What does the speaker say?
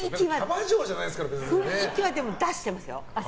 雰囲気は出してますよ。